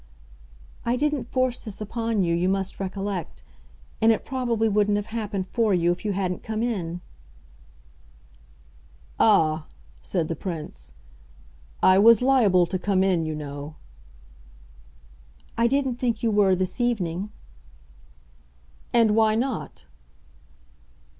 "I didn't force this upon you, you must recollect, and it probably wouldn't have happened for you if you hadn't come in." "Ah," said the Prince, "I was liable to come in, you know." "I didn't think you were this evening." "And why not?"